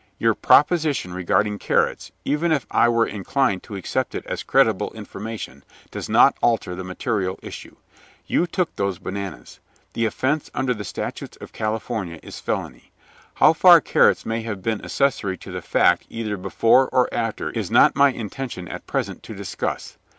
Your proposition regarding Carrots, even if I were inclined to accept it as credible information, does not alter the material issue. You took those bananas. The offense under the Statutes of California is felony. How far Carrots may have been accessory to the fact either before or after, is not my intention at present to discuss.